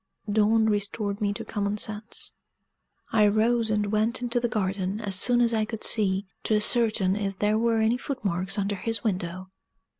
Dawn restored me to common sense. I rose, and went into the garden, as soon as I could see, to ascertain if there were any foot marks under his window.